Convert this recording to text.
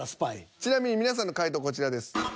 ちなみに皆さんの回答こちらです。